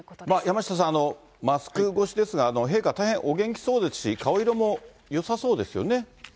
山下さん、マスク越しですが、陛下、大変お元気そうですし、そうですね。